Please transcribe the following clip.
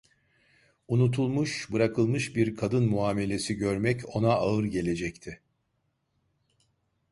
Unutulmuş, bırakılmış bir kadın muamelesi görmek ona ağır gelecekti.